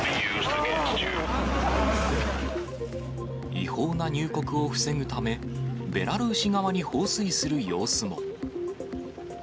違法な入国を防ぐため、ベラルーシ側に放水する様子も。